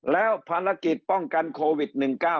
แล้วภารกิจป้องกันโควิด๑๙